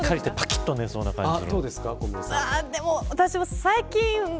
しっかりしてぱきっと寝そうなそんな感じ。